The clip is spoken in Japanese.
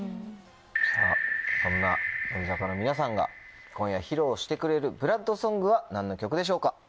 さぁそんな乃木坂の皆さんが今夜披露してくれるＢＬＯＯＤＳＯＮＧは何の曲でしょうか？